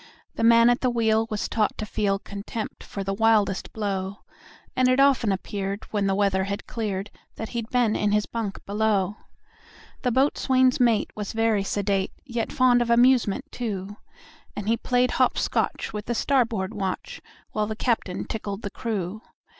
The man at the wheel was taught to feel Contempt for the wildest blow, And it often appeared, when the weather had cleared, That he'd been in his bunk below. The boatswain's mate was very sedate, Yet fond of amusement, too; And he played hop scotch with the starboard watch, While the captain tickled the crew.